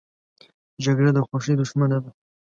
جګړه د خوښۍ دښمنه ده